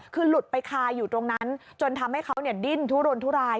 คือหลุดไปคาอยู่ตรงนั้นจนทำให้เขาดิ้นทุรนทุราย